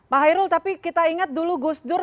pak hairul tapi kita ingat dulu gus dur